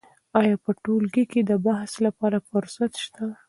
آیا په ټولګي کې د بحث لپاره فرصت شته؟